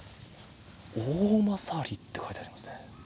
おおまさりって書いてありますね。